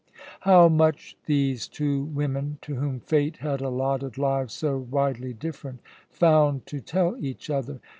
How much these two women, to whom Fate had allotted lives so widely different, found to tell each other!